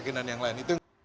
kekyakinan yang lain